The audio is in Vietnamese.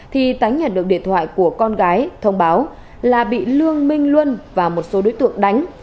thì tái nhận được điện thoại của con gái thông báo là bị lương minh luân và một số đối tượng đánh